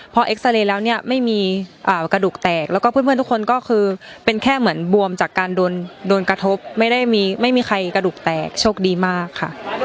พอเอ็กซาเรย์แล้วเนี่ยไม่มีกระดูกแตกแล้วก็เพื่อนทุกคนก็คือเป็นแค่เหมือนบวมจากการโดนกระทบไม่ได้ไม่มีใครกระดูกแตกโชคดีมากค่ะ